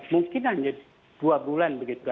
mungkin hanya dua bulan